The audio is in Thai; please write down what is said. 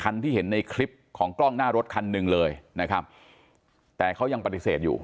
ที่เห็นในคลิปของกล้องหน้ารถคันหนึ่งเลยนะครับแต่เขายังปฏิเสธอยู่